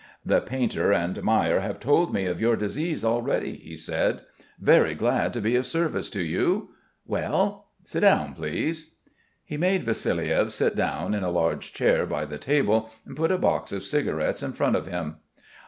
"The painter and Mayer have told me of your disease already," he said. "Very glad to be of service to you. Well? Sit down, please." He made Vassiliev sit down in a big chair by the table, and put a box of cigarettes in front of him.